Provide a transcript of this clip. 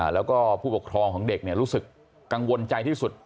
แล้วก็ผู้ปกครองของเด็กรู้สึกกังวลใจที่สุด